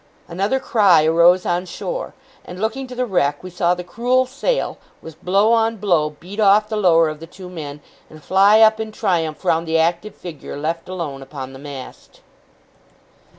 Another cry arose on shore; and looking to the wreck, we saw the cruel sail, with blow on blow, beat off the lower of the two men, and fly up in triumph round the active figure left alone upon the mast.